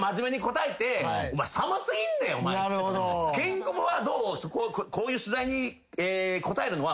ケンコバはこういう取材に答えるのは。